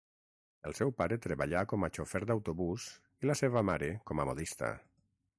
El seu pare treballà com a xofer d'autobús i la seva mare com a modista.